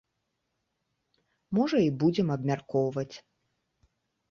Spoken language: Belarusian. Можа і будзем абмяркоўваць.